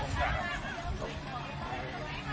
สวัสดี